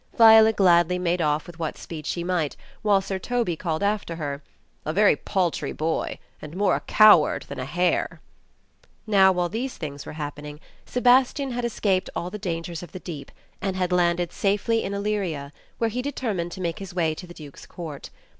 Viola gladly made off with what speed she might, while Sir Toby called after her — "A very paltry boy, and more a coward than a hare !" Now, while these things were happening, Sebastian had escaped all the dangers of the deep, and had landed safely in Illyria, where he determined to make his way to the Duke's Court.